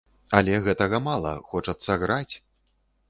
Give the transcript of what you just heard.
Але гэтага мала, хочацца граць!